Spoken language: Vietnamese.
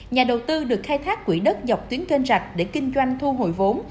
nhà đầu tư được khai thác quỹ đất dọc tuyến kênh rạch để kinh doanh thu hồi vốn